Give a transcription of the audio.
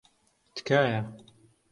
تکایە.